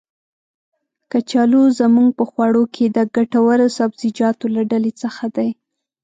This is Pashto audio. کچالو زمونږ په خواړو کې د ګټور سبزيجاتو له ډلې څخه دی.